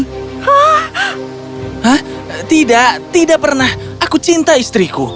hah tidak tidak pernah aku cinta istriku